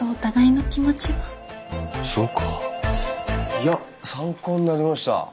いや参考になりました。